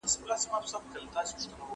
ځوانان باید د مشرانو پوښتنه وکړي